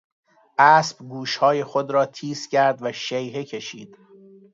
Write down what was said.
اسب گوشهای خود را تیز کرد و شیهه کشید.